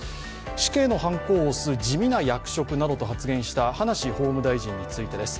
死刑のはんこを押す地味な役職などと話をした葉梨法務大臣についてです。